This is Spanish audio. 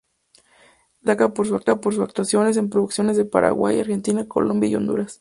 Lali se destaca por sus actuaciones en producciones de Paraguay, Argentina, Colombia y Honduras.